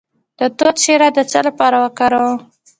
د توت شیره د څه لپاره وکاروم؟